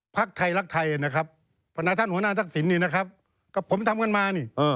ภาคไทยรักไทยนะครับพนักท่านหัวหน้าทักศิลป์กับผมทำกันมา